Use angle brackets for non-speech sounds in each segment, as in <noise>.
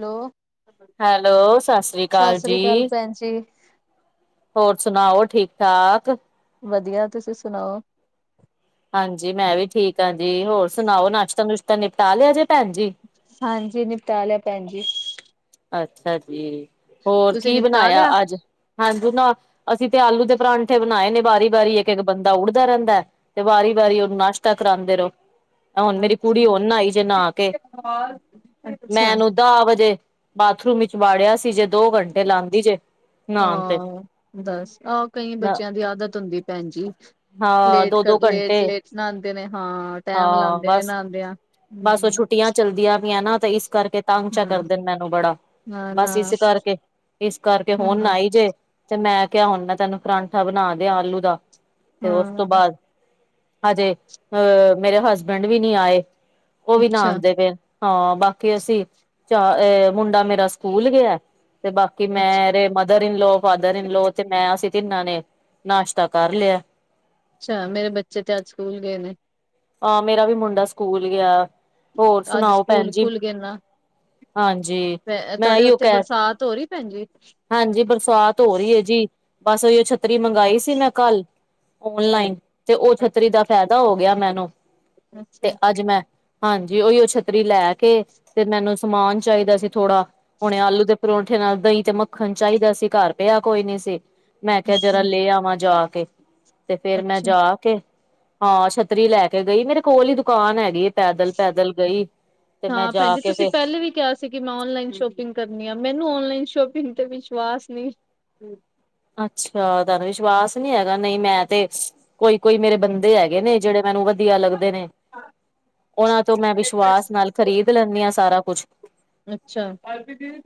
Hello. Hello Sat Sri ਅਕਾਲ ਜੀ ਸਾਸਰੀ ਕਾਲ ਭੈਣ ਜੀ। ਹੋਰ ਸੁਣਾਓ ਠੀਕ ਠਾਕ? ਵਦੀਆ, ਤੁਸੀਂ ਸੁਣਾਓ? ਹਾਂਜੀ ਮੈਂ ਵੀ ਠੀਕ ਆ ਜੀ। ਹੋਰ ਸੁਣਾਓ ਨਾਸ਼ਤਾ ਨੁਸ਼ਤਾ ਨਿਪਟਾ ਲੇਆ ਜੇ ਪੈਣ ਜੀ? ਹਾਂਜੀ ਨਿਪਟਾ ਲਿਆ ਪੈਣ ਜੀ। ਅੱਛਾ ਜੀ, ਹੋਰ ਤੁਸੀਂ ਕੀ ਨਿਪਟਾ ਬਣਾਇਆ ਲਿਆ ਅੱਜ? <unintelligible> ਨਾ, ਅਸੀਂ ਤੇ ਆਲੂ ਦੇ ਪਰਾਂਠੇ ਬਣਾਏ ਨੇ, ਬਾਰੀ-ਬਾਰੀ, ਇੱਕ-ਇੱਕ ਬੰਦਾ ਉੱੜਦਾ ਰੇਂਦਾ ਏ। ਤੇ ਵਾਰੀ-ਵਾਰੀ ਉਹਨੂੰ ਨਾਸ਼ਤਾ ਕਰਾਂਦੇ ਰੋ। ਹੁਣ ਮੇਰੀ ਅੱਛਾ ਕੁੜੀ, ਉਨ ਆਈ ਜੇ ਨਾ ਕੇ, ਮੈਂ ਅੱਛਾ ਏਨੂੰ ਦਾ ਵਜੇ ਬਾਥਰੂਮ ਵਿੱਚ ਵਾੜੇਆ ਸੀ ਜੇ, ਦੋ ਘੰਟੇ ਲਾਂਦੀ ਜੇ। ਨਹਾਣ ਤੇ ਹਾਂ, ਦਸ? ਆਹ ਕਈ ਬੱਚਿਆਂ ਦੀ ਆਦਤ ਹੁੰਦੀ ਪੈਣ ਜੀ। ਹਾਂ ਲੇਟ ਦੋ ਦੋ ਕਲ, ਘੰਟੇ ਲੇਟ-ਲੇਟ ਨਾਂਦੇ ਨੇ, ਹਾਂ, ਟੈਮ ਹਾਂ ਲਾਂਦੇ ਨੇ ਬਸ ਨਾਂਦੇਆ। ਬਸ ਔਹ ਛੁੱਟੀਆਂ ਚੱਲਦੀਆਂ ਪਿਆਂ ਨਾ, ਤੇ ਇਸ ਕਰਕੇ ਤੰਗ ਚਾ ਹਾਂ ਕਰਦੇ ਨੇ ਮੈਨੂੰ ਬੜਾ। ਨਾ ਨਾ ਬਸ ਇਸ ਕਰਕੇ। ਇਸ ਕਰਕੇ ਹੁਣ ਹਾਂ ਨਾਈ ਜੇ, ਤੇ ਮੈਂ ਕੇਆ, ਹੁਣ ਮੈਂ ਤੈਨੂੰ ਕਰਾਂਠਾ ਬਣਾ ਦੇਆ ਆਲੂ ਦਾ। ਤੇ ਉਸ ਤੋਂ ਹਾਂ ਬਾਦ, ਹਜੇ ਅਹ ਮੇਰੇ ਹਸਬੈਂਡ ਵੀ ਨੀ ਆਏ। ਉਹ ਵੀ ਨਾ ਅੱਛਾ ਆਉਂਦੇ ਫਿਰ ਹਾਂ, ਬਾਕੀ ਅਸੀਂ ਚ ਮੁੰਡਾ ਮੇਰਾ, ਸਕੂਲ ਗਿਆ ਤੇ ਬਾਕੀ ਕਿ ਅੱਛਾ ਮੇਰੇ ਮਦਰ ਇਨ ਲਓ, ਫਾਦਰ ਇਨ ਲੋ, ਤੇ ਮੈਂ ਅਸੀਂ ਤਿੰਨਾਂ ਨੇ ਨਾਸ਼ਤਾ ਕਰ ਲਿਆ। ਅੱਛਾ, ਮੇਰੇ ਬੱਚੇ ਤੇ ਅੱਜ ਸਕੂਲ ਗਏ ਨੇ। ਹਾਂ, ਮੇਰਾ ਵੀ ਮੁੰਡਾ ਸਕੂਲ ਗਿਆ। ਹੋਰ ਅੱਜ ਸੁਣਾਓ ਭੈਣ ਸਕੂਲ ਜੀ ਖੁੱਲ ਗਏ ਨਾ, ਹਾਂਜੀ ਮੈਂ ਤੁਹਾਡੇ ਇਹੀਓ ਉੱਥੇ ਕਹਿ ਬਰਸਾਤ ਹੋ ਰਹੀ। ਹਾਂਜੀ। ਹਾਂਜੀ, ਬਰਸਾਤ ਹੋ ਰਹੀ ਹੈ ਜੀ, ਬਸ ਛੱਤਰੀ ਮੰਗਾ ਮੰਗਾਈ ਸੀ ਮੈਂ, ਕੱਲ ਅੱਛਾ ਓਨਲਾਈਨ ਤੇ, ਉਹ ਛੱਤਰੀ ਅੱਛਾ ਦਾ ਫਾਇਦਾ ਹੋ ਗਿਆ ਮੈਨੂੰ? ਅੱਛਾ ਤੇ ਅੱਜ ਮੈਂ ਹਾਂਜੀ ਓਹੀ ਉਹ ਛੱਤਰੀ ਲੈ ਕੇ ਤੇ ਮੈਨੂੰ ਸਮਾਨ ਚਾਹੀਦਾ ਸੀ ਥੋੜ੍ਹਾ ਹੁਣੇ ਆਲੂ ਦੇ ਪਰੋਂਠੇ ਨਾਲ ਦਹੀਂ, ਤੇ ਮੱਖਣ ਚਾਹੀਦਾ ਸੀ, ਘਰ ਪਿਆ ਕੋਈ ਨੀ ਸੀ ਮੈਂ ਕਿਹਾ, ਅੱਛਾ ਜਰਾ ਲੈ ਆਵਾਂ ਜਾ ਕੇ। ਤੇ ਫੇਰ ਮੈਂ ਅੱਛਾ ਜਾ ਕੇ, ਹਾਂ ਛੱਤਰੀ ਲੈ ਕੇ ਗਈ ਮੇਰੇ ਕੋਲ ਹੀ, ਦੁਕਾਨ ਹੈਗੀ। ਪੈਦਲ- ਪੈਦਲ ਗਈ, ਤੇ ਮੈਂ ਹਾਂ ਭੈਣ ਜਾ ਜੀ ਕੇ ਤੁਸੀਂ ਫਿਰ ਪਹਿਲੇ ਵੀ ਕਿਹਾ ਸੀ ਸੀ ਕਿ ਮੈਂ ਔਨਲਾਈਨ ਸ਼ੋਪਿੰਗ ਕਰਨੀ ਆ, ਮੈਨੂੰ ਔਨਲਾਈਨ ਸ਼ੋਪਿੰਗ ਤੇ ਵਿਸ਼ਵਾਸ ਨਹੀਂ। ਅੱਛਾ ਤੁਹਾਨੂੰ ਵਿਸ਼ਵਾਸ ਨਹੀਂ ਹੈਗਾ, ਨਹੀਂ ਮੈਂ ਤੇ ਕੋਈ- ਕੋਈ ਮੇਰੇ ਬੰਦੇ ਹੈਗੇ ਨੇ, ਜਿਹੜੇ ਮੈਨੂੰ ਵਧੀਆ ਲੱਗਦੇ ਨੇ। ਉਹਨਾਂ ਤੋਂ ਮੈਂ ਵਿਸ਼ਵਾਸ ਨਾਲ ਖ਼ਰੀਦ ਲੈਂਦੀ ਹਾਂ, ਸਾਰਾ ਕੁਛ ਅੱਛਾ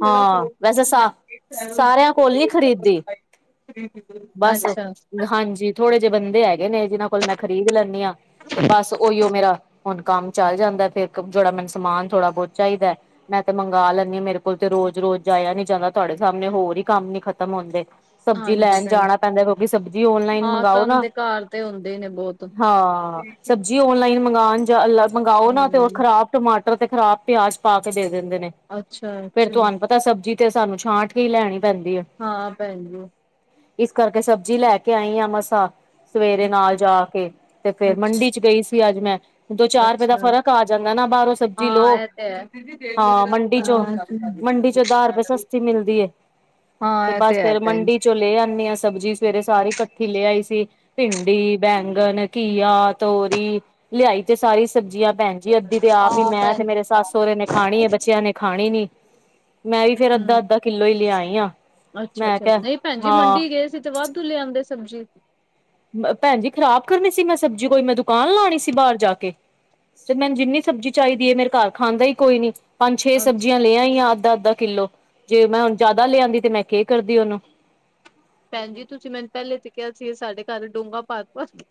ਹਾਂ, ਵੈਸੇ ਸਾ ਸਾਰਿਆਂ ਕੋਲ ਨੀ ਖ਼ਰੀਦਦੀ। <unintelligible> ਬਸ ਹਾਂਜੀ, ਥੋੜੇ ਜਿਹੇ ਬੰਦੇ ਹੈਗੇ ਨੇ, ਜਿਹਨਾਂ ਕੋਲ ਮੈਂ ਖਰੀਦ ਲੈਂਦੀ ਹਾਂ ਤੇ ਬਸ ਉਹੀਓ ਮੇਰਾ ਹੁਣ ਕੰਮ ਚੱਲ ਜਾਂਦਾ, ਫੇਰ ਜਿਹੜਾ ਮੈਨੂੰ ਸਮਾਨ ਥੋੜਾ ਬਹੁਤ ਚਾਹੀਦਾ ਮੈਂ ਤੇ ਮੰਗਵਾ ਲੈਂਦੀ ਆਂ, ਮੇਰੇ ਕੋਲ ਤੇ ਰੋਜ਼ ਰੋਜ਼ ਜਾਇਆ ਨੀ ਜਾਂਦਾ, ਤੁਹਾਡੇ ਸਾਹਮਣੇ ਹੋਰ ਹੀ ਕੰਮ ਨੀ ਖਤਮ ਹੁੰਦੇ ਸਬਜ਼ੀ ਹਾਂਜੀ ਲੈਣ ਭੈਣ ਜਾਣਾ ਜੀ ਪੈਂਦਾ, ਕਿਉਂਕਿ ਸਬਜ਼ੀ ਓਨਲਾਈਨ ਹਾਂ ਮੰਗਾਓ ਕੰਮ ਨਾ, ਦੇ ਘਰ ਤੇ ਹੁੰਦੇ ਹੀ ਨੇ ਬਹੁਤ ਹਾਂ। ਜੀ ਓਨਲਾਈਨ, ਮੰਗਉਣ ਮੰਗਵਾਓ ਨਾ, ਤੇ ਉਹ ਹਮ ਖ਼ਰਾਬ ਟਮਾਟਰ, ਤੇ ਖ਼ਰਾਬ ਪਿਆਜ ਪਾ ਕੇ ਦੇ ਦਿੰਦੇ ਨੇ। ਅੱਛਾ- ਅੱਛਾ। ਤਾਂ ਸਬਜ਼ੀ, ਤੇ ਸਾਨੂੰ ਛਾਂਟ ਕੇ ਹੀ ਲੈਣੀ ਪੈਂਦੀ ਏ। ਹਾਂ, ਭੈਣ ਜੀ। ਇਸ ਕਰਕੇ ਸਬਜ਼ੀ ਲੈ ਕੇ ਆਈ ਆਂ ਮਸਾਂ। ਸਵੇਰੇ ਨਾਲ ਜਾ ਕੇ, ਤੇ ਅੱਛਾ ਫਿਰ ਅੱਛਾ ਮੰਡੀ ਚ ਗਈ ਸੀ ਅੱਜ ਮੈਂ। ਦੋ, ਚਾਰ ਰੁਪਏ ਦਾ ਅੱਛਾ ਫ਼ਰਕ ਆ ਜਾਂਦਾ ਨਾ, ਬਾਹਰੋਂ ਸਬਜ਼ੀ ਹਾਂ ਲਓ, ਇਹ ਤੇ ਹੈ ਹਾਂ ਮੰਡੀ ਚੋਂ ਮੰਡੀ ਚੋ ਦਾਹ ਰੁਪਏ ਸਸਤੀ ਮਿਲਦੀ ਹੈ। ਹਾਂ ਤੇ ਇਹ ਬਸ ਹੈ ਫੇਰ ਭੈਣ ਜੀ ਮੰਡੀ ਚ ਲੈ ਆਉਂਨੀ ਹਾਂ, ਸਬਜ਼ੀ ਸਵੇਰੇ ਸਾਰੀ ਇਕੱਠੀ ਲੈ ਆਈ ਸੀ। ਭਿੰਡੀ, ਬੈਂਗਣ, ਘੀਆ ਤੋਰੀ ਲਿਆਈ ਤੇ ਸਾਰੀ ਸਬਜ਼ੀਆਂ ਭੈਣ ਜੀ ਅੱਧੀ ਤੇ ਆਪ ਹੀ ਹਾਂ ਮੈਂ, ਭੈਣ ਤੇ ਮੇਰੇ ਸੱਸ- ਸਹੁਰੇ ਨੇ ਖਾਣੀ ਹੈ, ਬੱਚਿਆਂ ਨੇ ਖਾਣੀ ਨੀ। ਮੈਂ ਵੀ ਫੇਰ ਅੱਧਾ ਹਮ -ਅੱਧਾ ਕਿੱਲੋ ਹੀ ਲਿਆਈ ਆਂ। ਅੱਛਾ -ਅੱਛਾ, ਨਹੀਂ ਭੈਣ ਜੀ ਮੰਡੀ ਗਏ ਸੀ, ਤੇ ਵਾਧੂ ਲੈ ਆਉਂਦੇ ਸਬਜ਼ੀ। ਭੈਣ ਜੀ ਖ਼ਰਾਬ ਕਰਨੀ ਸੀ ਮੈਂ ਸਬਜ਼ੀ, ਕੋਈ ਮੈਂ ਦੁਕਾਨ ਲਾਉਣੀ ਸੀ, ਬਾਹਰ ਜਾ ਕੇ। ਤੇ ਮੈਨੂੰ ਜਿੰਨੀ ਸਬਜ਼ੀ ਚਾਹੀਦੀ ਹੈ, ਮੇਰੇ ਘਰ ਖਾਂਦਾ ਹੀ ਕੋਈ ਨੀ। ਪੰਜ-ਛੇ ਸਬਜ਼ੀਆਂ ਲੈ ਆਈ ਆ, ਅੱਧਾ-ਅੱਧਾ ਕਿੱਲੋ, ਜੇ ਮੈਂ ਹੁਣ ਜਾਦਾ ਲੇ ਆਂਦੀ ਤੇ ਮੈਂ ਕੇ ਕਰਦੀ ਓਨੂੰ। ਭੈਣ ਜੀ ਤੁਸੀਂ ਮੈਨੂੰ ਪਹਿਲੇ ਤੇ ਕਿਆ ਸੀ ਸਾਡੇ ਘਰ ਡੋਂਗਾ ਭਰ-ਭਰ ਕੇ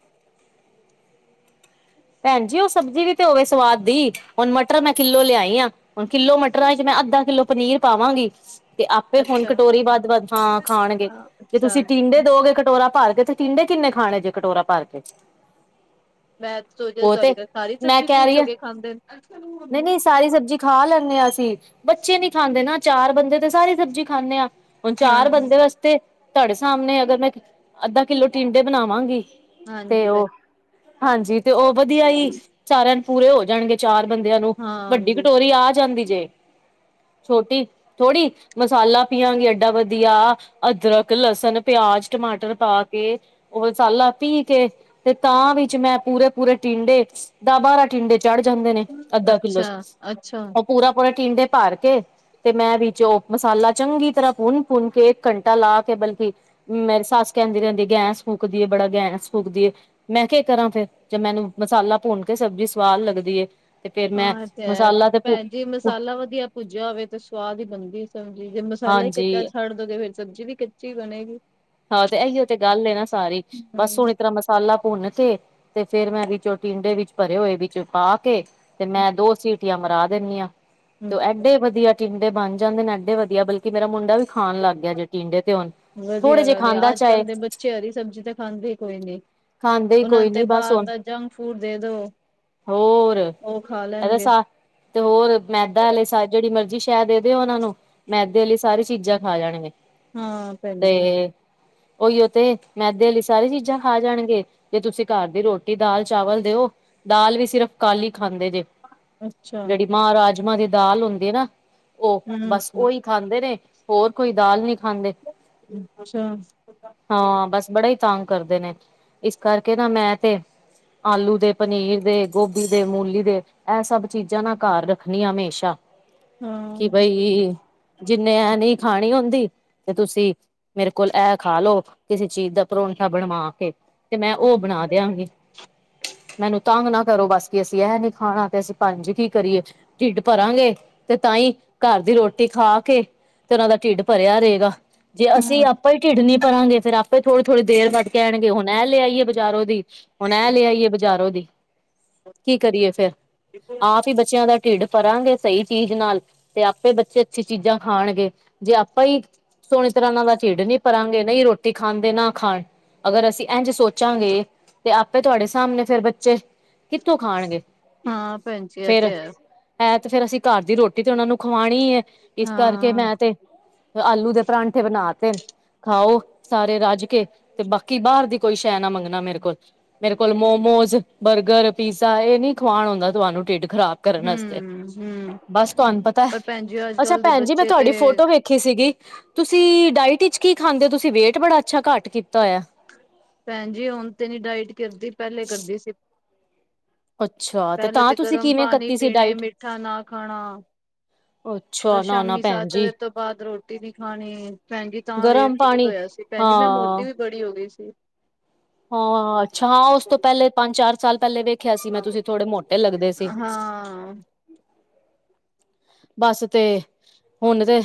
ਭੈਣ ਜੀ ਉਹ ਸਬਜ਼ੀ ਵੀ ਤੇ ਹੋਵੇ ਸਵਾਦ ਦੀ ਹੁਣ ਮਟਰ ਮੈਂ ਕਿੱਲੋ ਲਿਆਈ ਆ। ਹੁਣ ਕਿੱਲੋ ਮਟਰਾਂ ਵਿੱਚ, ਮੈਂ ਅੱਧਾ ਕਿੱਲੋ ਪਨੀਰ ਪਾਵਾਂਗੀ। ਤੇ ਆਪੇ ਹੁਣ ਅੱਛਾ ਕਟੋਰੀ ਵੱਧ-ਵੱਧ ਹਾਂ ਖਾਣਗੇ, ਹਾਂ ਜੇ ਅੱਛਾ ਤੁਸੀਂ ਟਿੰਡੇ ਦੋਗੇ ਕਟੋਰਾ ਭਰ ਕੇ ਤੇ ਟਿੰਡੇ ਕਿੰਨੇ, ਖਾਣੇ ਜੇ ਕਟੋਰਾ ਭਰ ਕੇ। ਮੈਂ ਸੋਚ ਰਹੀ ਆਂ ਉਹ ਤੇ ਤੁਹਾਡੇ ਘਰ, ਸਾਰੇ ਮੈਂ ਸਬਜ਼ੀ ਕਹਿ ਖੁਸ਼ ਰਹੀ ਹੋ ਹਾਂ ਕੇ ਖਾਂਦੇ ਨੇ। ਨਹੀਂ -ਨਹੀਂ, ਸਾਰੀ ਸਬਜ਼ੀ ਖਾ ਲੈਂਨੇ ਆਂ ਅਸੀ। ਬੱਚੇ ਨੀ ਖਾਂਦੇ ਨਾ, ਚਾਰ ਬੰਦੇ ਤੇ ਸਾਰੀ ਸਬਜ਼ੀ ਖਾਂਨੇ ਆਂ। ਹੁਣ ਹਾਂ ਚਾਰ ਹਾਂ ਬੰਦੇ ਵਾਸਤੇ, ਤੁਹਾਡੇ ਸਾਹਮਣੇ ਅਗਰ ਮੈਂ ਅੱਧਾ- ਕਿੱਲੋ ਟਿੰਡੇ ਬਣਾਵਾਂਗੀ ਤੇ ਹਾਂਜੀ ਭੈਣ ਉਹ ਹਾਂਜੀ, ਤੇ ਉਹ ਵਧੀਆ ਈ ਚਾਰਾਂ ਨੂੰ ਪੂਰੇ ਹੋ ਜਾਣਗੇ, ਚਾਰ ਬੰਦਿਆਂ ਨੂੰ ਵੱਡੀ ਹਾਂਜੀ ਕਟੋਰੀ ਆ ਜਾਂਦੀ ਜੇ। ਛੋਟੀ, ਥੋੜੀ ਮਸਾਲਾ ਪੀਆਂਗੇ ਏਡਾ ਵਦੀਆ ਅਦਰਕ, ਲਸਣ, ਪਿਆਜ, ਟਮਾਟਰ ਪਾ ਕੇ ਉਹ ਮਸਾਲਾ ਪੀ ਕੇ ਤੇ ਤਾਂ ਵਿੱਚ ਮੈਂ ਪੂਰੇ-ਪੂਰੇ ਟਿੰਡੇ ਦਾ-ਬਾਰਾਂ ਟਿੰਡੇ ਚੜ੍ਹ ਜਾਂਦੇ ਨੇ ਅੱਧਾ ਕਿੱਲੋ ਅੱਛਾ ਚ ਅੱਛਾ ਉਹ ਪੂਰਾ-ਪੂਰਾ ਟਿੰਡੇ ਭਰ ਕੇ ਤੇ ਮੈਂ ਵਿੱਚੋਂ ਮਸਾਲਾ ਚੰਗੀ ਤਰਾ ਭੁੰਨ-ਭੁੰਨ ਕੇ ਇੱਕ ਘੰਟਾ ਲਾ ਕੇ ਬਲਕਿ ਮੇਰੀ ਸੱਸ ਕੈਂਦੀ ਰੈਂਦੀ ਐ ਗੈਸ ਫੂਕਦੀ ਏ, ਬੜਾ ਗੈਸ ਫੂਕਦੀ ਏ ਮੈਂ ਕੇ ਕਰਾਂ ਫੇਰ ਜੇ ਮੈਨੂੰ ਮਸਾਲਾ ਭੁੰਨ ਕੇ ਸਬਜ਼ੀ ਸਵਾਦ ਲੱਗਦੀ ਏ। ਤੇ ਫੇਰ ਮੈਂ ਹਾਂ ਏ ਤੇ ਐ ਮਸਾਲਾ ਤੇ ਭੁ ਭੈਣ ਜੀ ਮਸ ਮਸਾਲਾ ਵਦੀਆ ਭੁੱਜਿਆ ਹੋਵੇ ਤੇ ਸਵਾਦ ਈ ਬਣਦੀ ਸਬਜ਼ੀ ਜੇ ਮਸਾਲਾ ਈ ਕੱਚਾ ਹਾਂਜੀ ਛੱਡ ਡੋਗੇ ਫੇਰ ਸਬਜ਼ੀ ਵੀ ਕੱਚੀ ਬਣੇਗੀ। ਹਾਂ ਤੇ ਐਈਓ ਤੇ ਗੱਲ ਏ ਨਾ ਸਾਰੀ ਬਸ ਹੂੰ ਸੋਨੀ ਤਰਾ ਮਸ ਸਾਲਾ ਭੁੰਨ ਕੇ ਤੇ ਫੇਰ ਮੈਂ ਵਿੱਚੋਂ ਟਿੰਡੇ ਵਿੱਚ ਭਰੇ ਹੋਏ ਵਿੱਚ ਪਾ ਕੇ ਤੇ ਮੈਂ ਦੋ ਸੀਟੀਆਂ ਮਰਾ ਦੇਂਨੀ ਆਂ ਤੇ ਓ ਐਡੇ ਵਦੀਆ ਟਿੰਡੇ ਬਣ ਜਾਂਦੇ ਨੇ ਐਡੇ ਵਦੀਆ ਬਲਕਿ ਮੇਰਾ ਮੁੰਡਾ ਵੀ ਖਾਣ ਲੱਗ ਗਿਆ ਜੇ ਟਿੰਡੇ ਤੇ ਹੋਣ ਵਦੀਆ ਗੱਲ ਐ ਅੱਜ ਕੱਲ ਦੇ ਬੱਚੇ ਹਰੀ ਸਬਜ਼ੀ ਤਾਂ ਖਾਂਦੇ ਈ ਕੋਈ ਨੀ। ਖਾਂਦੇ ਹੀ ਓਨਾਂ ਕੋਈ ਨ ਤੇ ਨੀ ਬਸ ਬਾਰ ਹੁਣ ਦਾ ਜੰਕ ਫੂਡ ਦੇ ਦੋ ਹੋਰ ਉਹ ਖਾ ਐਦਾ ਲੈਣਗੇ ਸਾ ਤੇ ਹੋਰ ਮੈਦਾ ਆਲੇ ਸਾ ਜਿਹੜੀ ਮਰਜ਼ੀ ਸ਼ੈ ਦੇ ਦਿਓ ਓਨਾਂ ਨੂੰ ਮੈਦੇ ਅਲੀ ਸਾਰੀ ਚੀਜ਼ਾਂ ਖਾ ਜਾਣਗੇ। ਹਾਂ। ਭੈਣ ਜੀ ਤੇ ਓਈਓ ਤੇ ਮੈਦੇ ਆਲੀ ਸਾਰੀ ਚੀਜ਼ਾਂ ਖਾ ਜਾਣਗੇ ਜੇ ਤੁਸੀਂ ਘਰ ਦੀ ਰੋਟੀ, ਦਾਲ, ਚਾਵਲ ਦਿਓ, ਦਾਲ ਵੀ ਸਿਰਫ ਕਾਲੀ ਖਾਂਦੇ ਜੇ। ਅੱਛਾ ਜੇੜੀ ਮਾਂ-ਰਾਜਮਾਂ ਦੀ ਦਾਲ ਹੁੰਦੀ ਏ ਨਾ ਓ ਬਸ ਹੂੰ ਓਈ ਖਾਂਦੇ ਨੇ ਹੋਰ ਕੋਈ ਦਾਲ ਨਈ ਖਾਂਦੇ। ਅੱਛਾ। ਹਾਂ, ਬਸ ਬੜਾ ਈ ਤੰਗ ਕਰਦੇ ਨੇ, ਇਸ ਕਰਕੇ ਨਾ ਮੈਂ ਤੇ ਆਲੂ ਦੇ, ਪਨੀਰ ਦੇ, ਗੋਭੀ ਦੇ, ਮੂਲੀ ਦੇ ਇਹ ਸਭ ਚੀਜ਼ਾਂ ਨਾ ਘਰ ਰੱਖਣੀ ਆਂ ਹਮੇਸ਼ਾ। ਕਿ ਹਾਂ ਬਈ ਜਿੰਨੇ ਐ ਨਈ ਖਾਣੀ ਹੁੰਦੀ ਤੇ ਤੁਸੀ ਮੇਰੇ ਕੋਲ ਇਹ ਖਾ ਲੋ ਕਿਸੇ ਚੀਜ਼ ਦਾ ਪਰੋਂਂਠਾ ਬਣਵਾ ਕੇ ਤੇ ਮੈਂ ਉਹ ਬਣਾ ਦਿਆਂਗੀ। ਮੈਨੂੰ ਤੰਗ ਨਾ ਕਰੋ ਬਸ ਕੀ ਅਸੀਂ ਐ ਨੀ ਖਾਣਾ ਤੇ ਅਸੀਂ ਪੈਂਜੀ ਕੀ ਕਰੀਏ। ਟਿੱਡ ਭਰਾਂਗੇ ਤੇ ਤਾਂ ਈ ਘਰ ਦੀ ਰੋਟੀ ਖਾ ਕੇ ਤੇ ਉਹਨਾਂ ਦਾ ਟਿੱਡ ਭਰਿਆ ਰਏਗਾ। ਜੇ ਅਸੀਂ ਹਾਂ ਆਪਾਂ ਈ ਟਿੱਡ ਨੀ ਭਰਾਂਗੇ ਫੇਰ ਆਪੇ ਥੋੜੀ-ਥੋੜੀ ਦੇਰ ਬਾਦ ਕੈਨਗੇ ਹੁਣ ਐਂ ਲੈ ਆਈਏ ਬਾਜਾਰੋਂ ਦੀ ਹੁਣ ਐ ਲੈ ਆਈਏ ਬਾਜ਼ਾਰੋਂ ਦੀ। ਕੀ ਕਰੀਏ ਫੇਰ ਆਪ ਈ ਬੱਚਿਆਂ ਦਾ ਟਿੱਡ ਭਰਾਂਗੇ ਸਈ ਚੀਜ਼ ਨਾਲ ਤੇ ਆਪੇ ਬੱਚੇ ਅੱਛੀ ਚੀਜ਼ਾਂ ਖਾਣਗੇ, ਜੇ ਆਪਾਂ ਈ ਤਰਾ ਏਨਾ ਦਾ ਟਿੱਡ ਨੀ ਭਰਾਂਗੇ ਨਈ ਰੋਟੀ ਖਾਂਦੇ, ਨਾ ਖਾਣ ਅਗਰ ਅਸੀ ਐਂਝ ਸੋ ਚਾਂਗੇ ਤੇ ਆਪੇ ਤੁਆਡੇ ਸਾਹਮਣੇ ਫੇਰ ਬੱਚੇ ਕਿੱਥੋਂ ਖਾਣਗੇ, ਹਾਂ ਭੈਣ ਜੀ ਇਹ ਫਿਰ ਤੇ ਹੈ ਹੈ ਤੇ ਫੇਰ ਅਸੀਂ ਘਰ ਦੀ ਰੋਟੀ ਤੇ ਔਨਾ ਨੂੰ ਖੁਵਾਣੀ ਏ ਇਸ ਕਰਕੇ ਹਾਂ ਮੈਂ ਤੇ ਆਲੂ ਦੇ ਪਰਾਂ ਠੇ ਬਣਾ ਤੇ ਖਾਓ ਸਾਰੇ ਰੱਜ ਕੇ, ਤੇ ਬਾਕੀ ਬਾਹਰ ਦੀ ਕੋਈ ਸ਼ੈ ਨਾ ਮੰਗਣਾ ਮੇਰੇ ਕੋਲ। ਮੇਰੇ ਕੋਲ ਮੋਮੋਜ, ਬਰਗਰ, ਪੀਜ਼ਾ ਇਹ ਨੀ ਖਵਾਣ ਹੁਂਦਾ, ਤੁਆਨੂੰ ਟਿੱਡ ਖ਼ਰਾਬ ਕਰਨ ਆਸਤੇ ਹੂੰ ਹੂੰ ਬਸ ਤੁਹਾਨੂੰ ਪਤਾ। ਪਰ ਭੈਣ ਜੀ ਅੱਜ ਅੱਛਾ ਕੱਲ ਦੇ ਭੈਣ ਜੀ, ਮੈਂ ਬੱਚੇ ਤੇ ਤੁਆਡੀ ਫੋਟੋ ਵੇਖ ਖੀ ਸੀਗੀ। ਤੁਸੀਂ ਡਾਇਟ ਚ ਕੀ ਖਾਂਦੇ ਓ? ਤੁਸੀਂ ਵੇਟ ਬੜਾ ਅੱਛਾ ਘੱਟ ਕੀਤਾ ਹੋਈਆ। ਭੈਣ ਜੀ, ਹੁਣ ਤੇ ਨਹੀਂ ਡਾਇਟ ਕਰਦੀ, ਪਹਿਲੇ ਕਰਦੀ ਸੀ। ਅੱਛਾ ਪੈਲੇ ਤਾਂ ਤੇ ਤੁਸੀਂ ਗਰਮ ਕਿਵੇਂ ਪਾਣੀ ਕੱਤੀ ਸੀ ਪੀਣੇ। ਡਾਇਟ ਮਿੱਠਾ ਨਾ ਖਾਣਾ। ਅੱਛਾ ਨਾ ਨਾ ਸ਼ਾਮੀ ਭੈਣ ਸੱਤ ਜੀ ਵਜੇ ਤੋਂ ਬਾਦ ਰੋਟੀ ਨੀ ਖਾਣੀ। ਭੈਣ ਜੀ, ਤਾਂ ਗਰਮ ਵੇਟ ਲੁਜ ਪਾਣੀ ਹੋਯਾ ਸੀ। ਭੈਣ ਜੀ, ਮੈਂ ਹਾਂ ਮੋਟੀ ਵੀ ਬੜੀ ਹੋ ਗਈ ਸੀ। ਹਾਂ ਅੱਛਾ ਆਂ ਉਸ ਤੋਂ ਪੈਲੇ ਪੰਜ-ਚਾਰ ਸਾਲ ਪੈਲੇ ਵੇਖਿਆ ਸੀ ਮੈਂ ਤੁਸੀਂ ਥੋੜੇ ਮੋਟੇ ਲੱਗਦੇ ਸੀ। ਹਾਂ। ਬਸ ਤੇ ਹੁਣ ਤੇ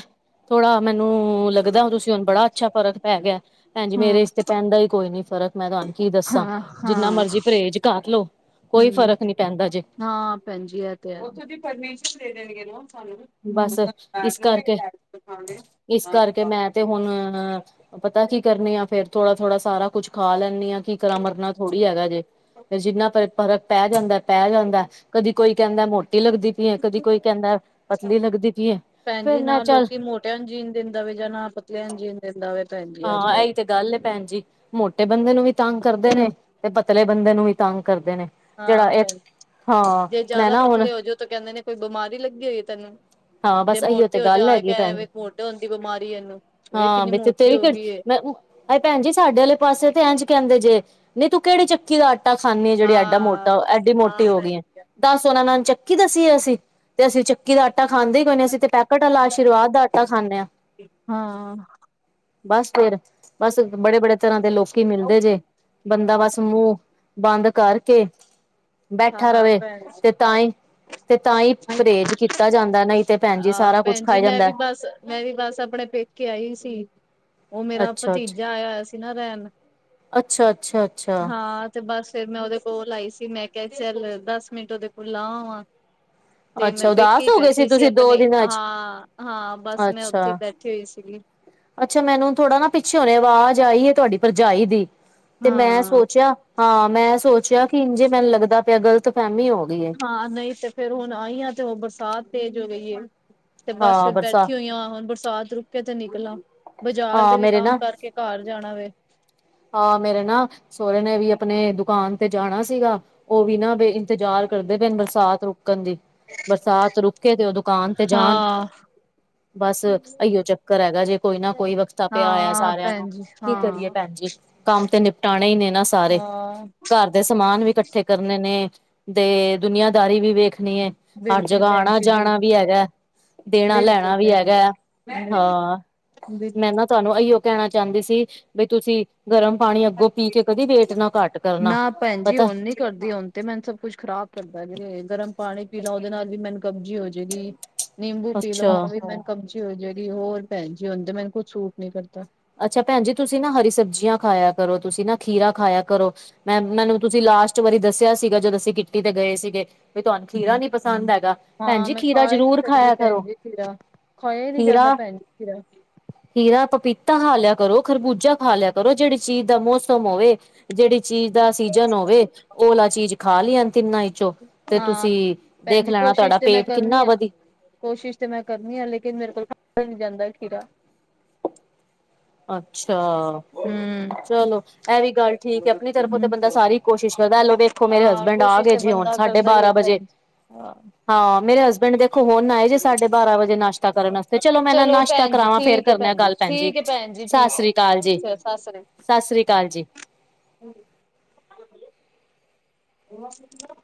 ਥੋੜਾ ਮੈਨੂੰ ਲੱਗਦਾ ਹਾਂ ਤੁਸੀਂ ਹੁਣ ਬੜਾ ਅੱਛਾ ਫਰਕ ਪੈ ਗਿਆ। ਪੈਣਜੀ ਮੇਰੇ ਹਾਂ ਚ ਪੈਣ ਦਾ ਹੀ ਕੋਈ ਨਹੀਂ ਫਰਕ। ਮੈਂ ਤੁਹਾਨੂੰ ਕੀ ਦੱਸਾਂ। ਹਾਂ ਜਿੰਨਾ ਹਾਂ ਮਰਜ਼ੀ ਪਰਹੇਜ਼ ਕਰ ਲੋ ਕੋਈ ਹੂੰ ਫ਼ਰਕ ਨੀ ਪੈਂਦਾ ਜੇ। ਹਾਂ ਪੈਣ ਜੀ ਇਹ ਤੇ ਹੈ ਫਰਨਿਚਰ ਦੇਣ ਦੇਗੇ ਨਾ ਸਾਨੂੰ। ਹੂੰ ਬਸ ਇਸ ਕਰਕੇ ਇਸ ਕਰਕੇ <unintelligible> ਮੈਂ ਤੇ ਹੁਣ ਅ ਪਤਾ ਕੀ ਕਰਨੇ ਆ, ਫੇਰ ਥੋੜਾ-ਥੋੜਾ ਸਾਰਾ ਕੁੱਛ। ਖਾ ਲੈਂਣੀ ਹਾਂ ਕਿ ਕਰਾ ਮਰਨਾ ਥੋੜੀ ਹੈਗਾ ਜੇ ਫਿਰ ਜਿੰਨਾ ਪਏ- ਫਰਕ ਪੈ ਜਾਂਦਾ ਪੈ ਜਾਂਦਾ। ਕਦੀ ਕੋਈ ਕਹਿੰਦਾ ਮੋਟੀ ਲੱਗਦੀ ਪਈ ਏ ਕਦੀ ਕੋਈ ਕਹਿੰਦਾ ਪਤਲੀ ਲੱਗਦੀ ਪਈ ਹੈ ਫੇਰ ਪੈਣਜੀ ਮੈਂ ਨਾ ਚੱਲ ਲੋਕੀ ਮੋਟਿਆਂ ਨੂੰ ਜੀਣ ਦਿੰਦਾ ਵੇ। ਜਾਂ ਨਾ ਪਤਲਿਆਂ ਨੂੰ ਜੀਣ ਦਿੰਦਾ ਵੇ। ਭੈਣ ਜੀ ਅੱਜ ਹਾਂ ਕੱਲ। ਇਹੀ ਤੇ ਗੱਲ ਹੈ ਪੈਣਜੀ। ਮੋਟੇ ਬੰਦੇ ਨੂੰ ਵੀ ਤੰਗ ਕਰਦੇ ਨੇ- ਤੇ ਪਤਲੇ ਬੰਦੇ ਨੂੰ ਵੀ ਤੰਗ ਕਰਦੇ ਨੇ। ਜਿਹੜਾ ਹਾਂ ਇਹ ਭੈਣ ਹਾਂ ਮੈਂ ਨਾ ਹੁਣ ਤੇ ਕਹਿੰਦੇ ਨੇ ਕੋਈ ਬਿਮਾਰੀ ਲੱਗੀ ਹੋਈ ਏ ਤੈਨੂੰ। ਹਾਂ ਜੇ ਬਸ ਇਹੀਓ ਮੋਟੇ ਤੇ ਹੋ ਜਾ ਗੱਲ ਆਏ ਹੈਗੀ ਭੈਣ ਕੇ ਜੀ ਮੋਟੇ ਹੁੰਦੀ ਬਿਮਾਰੀ ਇਹਨੂੰ ਵੇਖ ਕਿੰਨੀ ਮੋਟੀ ਹੋ ਗਈ ਏ। ਹਾਏ ਪੈਂਣਜੀ ਸਾਡੇ ਆਲੇ ਪਾਸੇ ਤੇ ਇਂਝ ਕਹਿੰਦੇ ਜੇ ਨੀ ਤੂੰ ਕਿਹੜੀ ਚੱਕੀ ਦਾ ਆ ਟਾ ਖਾਂਣੀ ਏ ਜਿਹੜੀ ਐਡਾ ਹਾਂ ਮੋਟਾ ਐਡੀ ਹਾਂ ਮੋਟੀ ਹੋ ਭੈਣ ਗਈ ਏ। ਜੀ। ਦਸ ਉਹਨਾਂ ਨੂੰ ਹਣ ਚੱਕੀ ਦੱਸੀਏ ਅਸੀਂ ਬਈ ਅਸੀਂ ਚੱਕੀ ਦਾ ਆ ਟਾ ਖਾਂਦੇ ਹੀ ਕੋਈ ਨੀ ਅਸੀਂ ਤੇ ਪੈਕੇਟ ਵਾਲਾ ਆਸ਼ੀਰਵਾਦ ਦਾ ਆਟਾ ਖਾਂਣੇ ਹਾਂ। ਹਾਂ ਬਸ ਫੇਰ ਬਸ ਬੜੇ-ਬੜੇ ਤਰ੍ਹਾਂ ਦੇ ਲੋਕੀ ਮਿਲਦੇ ਜੇ। ਬੰਦਾ ਬਸ ਮੂੰਹ ਬੰਦ ਕਰਕੇ ਬੈਠਾ ਹਾਂ ਰਵੇ ਭੈਣ ਤੇ ਤਾਂ ਹੀ- ਤੇ ਤਾਂ ਹੀ ਪਰਹੇਜ਼ ਕੀ ਜੀ। ਤਾ ਜਾਂਦਾ ਨਹੀਂ ਤੇ ਪੈਣ ਮਜੀ। ਅ ਸਾਰਾ ਕੁਝ ਭੈਣ ਖਾ ਜੀ ਮੈਂ ਜਾਂਦਾ। ਵੀ ਬਸ ਮੈਂ ਵੀ ਬਸ ਆਪਣੇ ਪੇਕੇ ਆਈ ਹੋਈ ਸੀ। ਉਹ ਮੇਰਾ ਅੱਛਾ-ਅੱਛਾ, ਭਤੀਜਾ ਆਇਆ ਹੋਇਆ ਸੀ ਨਾ ਰਹਿਣ ਅੱਛਾ-ਅੱਛਾ, ਅੱਛਾ। ਅੱਛਾ ਅੱਛਾ ਹਾਂ। ਤੇ ਬਸ ਫੇਿਰ ਮੈਂ ਉਹਦੇ ਕੋਲ ਆਈ ਸੀ। ਮੈਂ ਕਿਹਾ ਚੱਲ- ਦਸ ਮਿੰਟ ਉਹਦੇ ਕੋਲ ਲਾ ਵਾਂ। ਤੇ ਮੇਮੈ ਅੱਛਾ ਪੇਕੇ ਉਦਾਸ ਹੀ ਹੋ ਗਏ ਬੈਠੀ ਸੀ ਤੁਸੀਂ ਦੋ ਆਪਣੇ। ਦਿਨਾਂ ਚ ਹਾਂ-ਹਾਂ ਬਸ ਮੈਂ ਉੱਥੇ ਹੀ ਅੱਛਾ ਬੈਠੀ ਹੋਈ ਸੀਗੀ। ਅੱਛਾ ਮੈਨੂੰ ਥੋੜਾ ਨਾ ਪਿੱਛੇ ਹੁਣੇ ਵਾਜ਼ ਆਈ ਹੈ ਤੁਹਾਡੀ ਪਰਜਾਈ ਦੀ ਤੇ ਮੈਂ ਹਾਂ ਸੋਚਿਆ ਹਾਂ ਮੈ ਸੋਚਿਆ ਕਿ ਇੰਝੇ ਮੈਨੂੰ ਲੱਗਦਾ ਪਿਆ ਗ਼ਲਤ ਫਹਿਮੀ ਹੋ ਗਈ ਏ। ਹਾਂ ਨਹੀਂ ਤੇ ਫੇਰ ਹੁਣ ਆਈ ਆਂ ਤੇ ਉਹ ਬਰਸਾਤ ਤੇਜ ਹੋ ਗਈ ਏ। ਤੇ ਬਸ ਹਾਂ ਫੇਰ ਬਰਸਾ ਬੈਠੀ ਹੋਈ ਆ। ਹੁਣ ਬਰਸਾਤ ਰੁਕੇ ਤੇ ਨਿਕਲਾਂ ਬਾਜ਼ਾਰ ਹਾਂ ਦੇ ਵੀ ਮੇਰੇ ਕੰਮ ਨਾ ਕਰਕੇ ਕਾਰ ਜਾਣਾ ਵੇ। ਹਾਂ ਮੇਰੇ ਨਾ ਸੋਹੁਰੇ ਨੇ ਵੀ ਅਪਣੇ ਦੁਕਾਨ ਤੇ ਜਾਣਾ ਸੀਗਾ। ਉਹ ਵੀ ਨਾ ਬੇ ਇੰਤਜ਼ਾਰ ਕਰਦੇ ਪਏ ਨੇ ਬਰਸਾਤ ਰੁਕਣ ਦੀ। ਬਰਸਾਤ ਰੁਕੇ ਤੇ ਉਹ ਦੁਕਾਨ ਤੇ ਜਾਣ। ਹਾਂ। ਬਸ ਇਹੀਓ ਚੱਕਰ ਹੈਗਾ ਜੇ ਕੋਈ ਨਾ ਕੋਈ ਵਕਤਾ ਪਇਆ ਹੋਯਾ ਹਾਂ ਸਾਰਿਆਂ ਨੂੰ। ਭੈਣ ਜੀ ਕੀ ਕਰੀਏ ਹਾਂ ਪੈਣ ਜੀ, ਕੰਮ ਤੇ ਨਿਪਟਾਣੇ ਈ ਨੇ ਨਾ ਸਾਰੇ। ਹਾਂ। ਘੱਰ ਦੇ ਸਮਾਨ ਵੀ ਕੱਠੇ ਕਰਨੇ ਨੇ ਤੇ ਦੁਨੀਆਂਦਾਰੀ ਵੀ ਵੇਖਣੀ ਏ। ਹਣ ਬਿਲਕੁਲ ਜਗ੍ਹਾ ਭੈਣ ਜੀ ਆਣਾ-ਜਾਣਾ ਬਿਲਕੁਲ ਵੀ ਹੈਗਾ। ਦੇਣਾ ਬਿਲਕੁਲ ਲੈਣਾ ਵੀ ਭੈਣ ਜੀ ਹੈਗਾ ਹਾਂ ਬਿਲ- ਮੈਂ ਨਾ ਤੁਹਾਨੂੰ ਇਹੀ ਓ ਕਹਿਣਾ ਚਾਹੁੰਦੀ ਸੀ, ਬਈ ਤੁਸੀਂ ਗਰਮ ਪਾਣੀ ਅੱਗੋਂ ਪੀ ਕੇ ਕਦੀ ਵੇਟ ਨਾ ਘੱਟ ਕਰਨਾ ਨਾ ਭੈਣ ਜੀ ਪਤਾ ਹੁਣ ਨੀ ਕਰਦੀ ਹੁਣ ਤੇ ਮੈਨੂੰ ਸਭ ਕੁੱਛ ਖ਼ਰਾਬ ਕਰਦਾ ਜੇ ਗਰਮ ਪਾਣੀ ਪੀਲੋ ਉਹਦੇ ਨਾਲ ਵੀ ਮੈਨ ਕਬਜ਼ੀ ਹੋ ਜੇਗੀ। ਨਿੰਬੂ ਪੀ ਲਵਾਂ ਉਹ ਅੱਛਾ ਵੀ ਮੈਂ ਕਬਜ਼ੀ ਹੋ‌ ਜੇਗੀ, ਹੋਰ ਪੈਣਜੀ ਹੁਣ ਤੇ ਮੈਨੂੰ ਕੁਝ ਸੂਟ ਨੀ ਕਰਦਾ। ਅੱਛਾ ਪੈਣ ਜੀ ਤੁਸੀਂ ਨਾ ਹਰੀ ਸਬਜ਼ੀਆਂ ਖਾਇਆ ਕਰੋ ਤੁਸੀਂ ਨਾ ਖੀਰਾ ਖਾਇਆ ਕਰੋ। ਮੈਂ, ਮੈਨੂੰ ਤੁਸੀਂ ਲਾਸਟ ਵਾਰੀ ਦੱਸਿਆ ਸੀਗਾ ਜਦ ਅਸੀਂ ਕਿੱਟੀ ਤੇ ਗਏ ਸੀਗੇ ਵੀ ਤੁਹਾਨੂੰ ਖੀਰਾ ਨੀ ਪਸੰਦ ਹੈਗਾ। ਭੈਣ ਹਾਂ ਜੀ ਮੈਂ ਖੀਰਾ ਖਾ ਹੀ ਨੀ ਜ਼ਰੂਰ ਸਕਦੀ ਖਾਇਆ ਕਰੋ ਪੈਣਜੀ ਖੀਰਾ। ਖਾਇਆ ਹੀ ਨਹੀਂਂ ਜਾਂਦਾ ਖੀਰਾ ਪੈਣਜੀ ਖੀਰਾ। ਖੀਰਾ, ਪਪੀਤਾ ਖਾ ਲਿਆ ਕਰੋ, ਖਰਬੂਜਾ ਖਾ ਲਿਆ ਕਰੋ। ਜਿਹੜੀ ਚੀਜ਼ ਦਾ ਮੌਸਮ ਹੋਵੇ। ਜਿਹੜੀ ਚੀਜ਼ ਦਾ ਸੀਜਨ ਹੋਵੇ, ਉਹਲਾ ਚੀਜ਼ ਖਾ ਲਿਆਣ ਤਿੰਨਾ ਚੋ ਤੇ ਹਾਂ ਤੁਸੀਂ ਭੈਣ ਦੇਖ ਜੀ ਲੈਣਾ, ਕੋਸ਼ਿਸ਼ ਤੁਹਾਡਾ ਤੇ ਮੈਂ ਪੇਟ ਕਰਨੀ ਕਿੰਨਾ ਆ ਵਧੀ ਕੋਸ਼ਿਸ਼ ਤੇ ਮੈਂ ਕਰਨੀ ਹਾਂ, ਲੇਕਿਨ ਮੇਰੇ ਕੋਲ ਖਾਇਆ ਨੀ ਜਾਂਦਾ ਖੀਰਾ। ਅੱਛਾ, ਹੂੰ ਚਲੋ ਇਹ ਵੀ ਗੱਲ ਠੀਕ ਹੈ, ਆਪਣੀ ਤਰਫੋਂ ਤੇ ਬੰਦਾ ਸਾਰੀ ਕੋਸ਼ਿਸ਼ ਕਰਦਾ, ਐਲੋ ਵੇਖੋ, ਮੇਰੇ ਹਾਂ ਹਸਬੈਂਡ ਆ ਕੋਸ਼ਿਸ਼ ਗਏ ਤੇ ਜੇ, ਹੁਣ ਬੰਦਾ ਸਾਢੇ ਕਰਦਾ ਹੀ ਹੈ ਬਾਰਾਂ ਵਜੇ। ਭੈਣ ਜੀ ਹਾਂ ਹਾਂ, ਮੇਰੇ ਹਸਬੈਂਡ ਦੇਖੋ, ਹੁਣ ਆਏ ਜੇ ਸਾਢੇ ਬਾਰਾਂ ਵਜੇ ਨਾਸ਼ਤਾ ਕਰਨ ਵਾਸਤੇ ਚਲੋ, ਮੈਂ ਇੰਨਾ ਨੂੰ ਨਾਸ਼ਤਾ ਭੈਣ ਜੀ ਕਰਾਵਾਂ, ਫੇਰ ਠੀਕ ਹੈ ਕਰਨੇ ਆ ਭੈਣ ਜੀ ਗੱਲ। ਭੈਣ ਜੀ ਠੀਕ ਹੈ, ਭੈਣ ਜੀ, ਸਤਿ ਠੀਕ ਸ੍ਰੀ ਅਕਾਲ ਜੀ ਹੈ, ਸਤਿ ਸ੍ਰੀ ਸਤਿ ਸ੍ਰੀ ਜੀ ਅਕਾਲ। ਹਮ। <inaudible> <unintelligible>